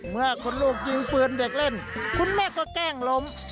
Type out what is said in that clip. เมื่อคุณลูกยิงปืนเด็กเล่นคุณแม่ก็แกล้งล้ม